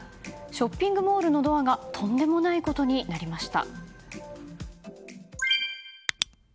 ショッピングモールのドアがとんでもないことになりました。